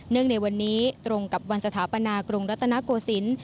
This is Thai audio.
ในวันนี้ตรงกับวันสถาปนากรุงรัตนโกศิลป์